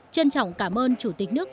trân trọng cảm ơn chủ tịch nước